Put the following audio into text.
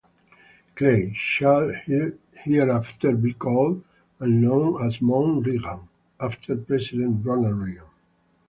Clay "shall hereafter be called and known as Mount Reagan," after President Ronald Reagan.